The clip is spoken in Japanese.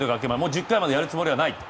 １０回までやるつもりはないと。